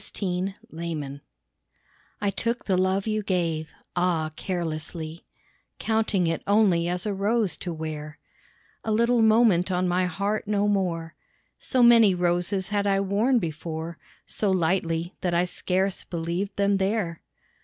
THE ROSE I took the love you gave, Ah, carelessly, Counting it only as a rose to wear A little moment on my heart no more, So many roses had I worn before, So lightly that I scarce believed them there.